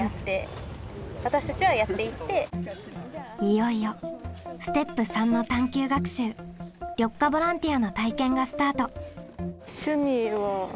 いよいよステップ③の探究学習緑化ボランティアの体験がスタート。